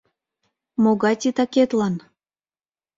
Могай титакетлан?